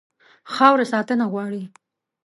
خاوره ساتنه غواړي.